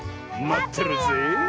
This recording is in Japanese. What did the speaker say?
まってるよ！